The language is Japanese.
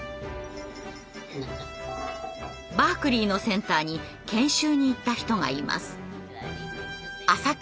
バークリーのセンターに研修に行った人がいます。